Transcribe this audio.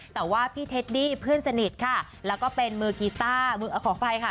แต่ว่าพี่เทดดี้เพื่อนสนิทค่ะแล้วก็เป็นมือกีต้ามือขออภัยค่ะ